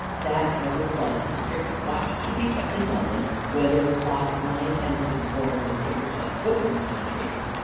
That nevertheless a strict watch should be kept in London, whither flock nine tenths of the foreigners who ever set foot in this country.